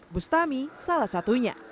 bustami salah satunya